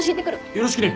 よろしくね。